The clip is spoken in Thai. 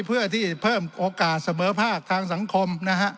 เพื่อที่เพิ่มโอกาสเสมอภาคทางสังคมนะฮะ